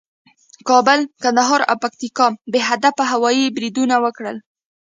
کابل، کندهار او پکتیکا کې بې هدفه هوایي بریدونه وکړل